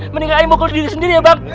mendingan ayah mukulin sendiri ya bang